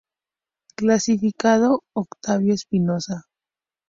Clasificado: Octavio Espinosa.